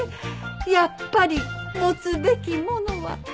やっぱり持つべきものは親友ですね。